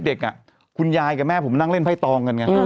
คือพอผมเด็กคุณยายกับแม่ผมนั่งเล่นไพ่ตองกัน